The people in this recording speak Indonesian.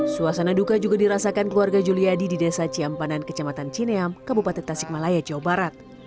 suasana duka juga dirasakan keluarga juliadi di desa ciampanan kecamatan cineam kabupaten tasikmalaya jawa barat